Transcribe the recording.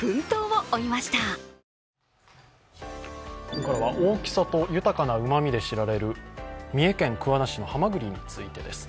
ここからは、大きさと豊かなうなみで知られる三重県桑名市のはまぐりについてです。